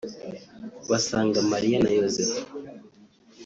basanga Mariya na Yozefu